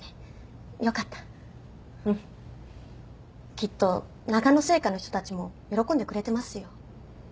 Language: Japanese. きっとながの製菓の人たちも喜んでくれてますよ。